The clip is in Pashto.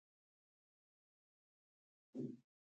نن یې هم ساری نه لیدل کېږي.